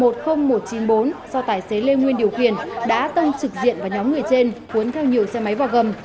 do tài xế lê nguyên điều khiển đã tông trực diện vào nhóm người trên cuốn theo nhiều xe máy và gầm